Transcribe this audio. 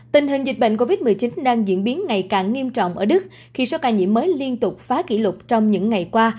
tình hình dịch bệnh covid một mươi chín đang diễn biến ngày càng nghiêm trọng ở đức khi số ca nhiễm mới liên tục phá kỷ lục trong những ngày qua